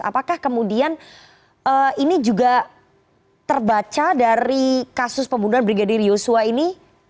apakah kemudian ini juga terbaca dari kasus pembunuhan brigadir yosua ini